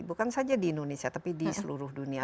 bukan saja di indonesia tapi di seluruh dunia